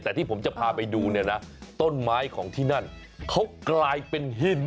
แต่ที่ผมจะพาไปดูเนี่ยนะต้นไม้ของที่นั่นเขากลายเป็นหิน